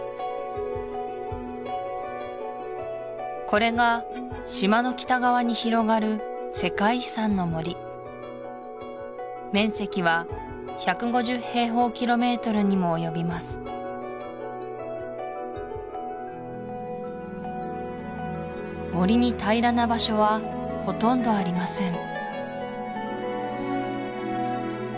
これが島の北側に広がる世界遺産の森面積は１５０平方キロメートルにも及びます森に平らな場所はほとんどありません